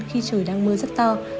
khi trời đang mưa rất to